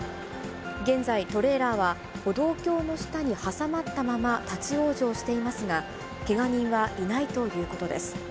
現在、トレーラーは歩道橋の下に挟まったまま立往生していますが、けが人はいないということです。